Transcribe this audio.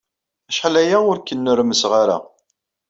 Acḥal aya ur k-nnermseɣ ara.